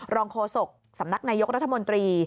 โฆษกสำนักนายกรัฐมนตรี